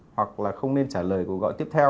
hoặc là không nên trả lời cuộc gọi tiếp theo